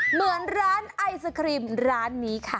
เหมือนร้านไอศครีมร้านนี้ค่ะ